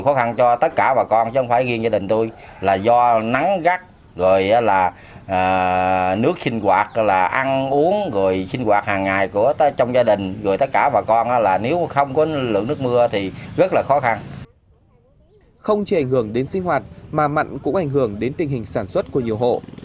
không chỉ ảnh hưởng đến sinh hoạt mà mặn cũng ảnh hưởng đến tình hình sản xuất của nhiều hộ